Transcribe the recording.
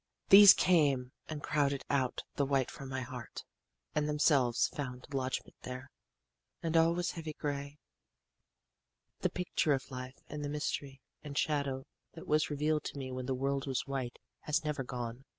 "These came and crowded out the white from my heart, and themselves found lodgment there. "And all was heavy gray. "The picture of life and the mystery and shadow that was revealed to me when the world was white has never gone.